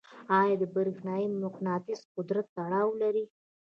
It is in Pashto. آیا د برېښنايي مقناطیس قدرت تړاو لري؟